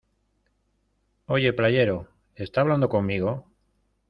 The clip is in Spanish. ¡ Oye, playero! ¿ esta hablando conmigo?